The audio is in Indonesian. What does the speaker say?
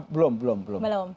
belum belum belum